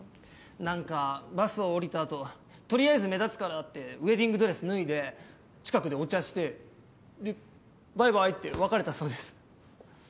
なんかバスを降りた後とりあえず目立つからってウェディングドレス脱いで近くでお茶してバイバイって別れたそうです。